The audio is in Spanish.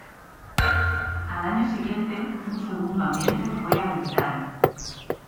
Al año siguiente un segundo ambiente fue habilitado.